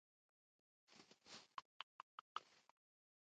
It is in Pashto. وادي د افغانستان د زرغونتیا نښه ده.